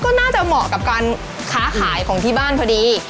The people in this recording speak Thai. ก็น่าจะเหมาะกับการค้าขายของที่บ้านพอดี